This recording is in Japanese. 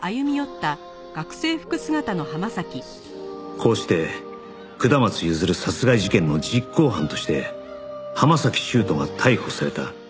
こうして下松譲殺害事件の実行犯として浜崎修斗が逮捕された